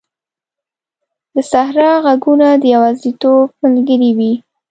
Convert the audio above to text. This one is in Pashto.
د صحرا ږغونه د یوازیتوب ملګري وي.